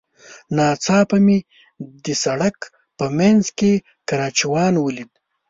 ناڅاپه مې د سړک په منځ کې کراچيوان وليد.